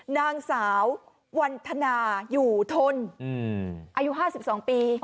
นางสาววันทนาอยู่ทนอืมอายุห้าสิบสองปี